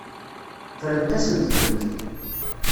Ffrent-asent-tent.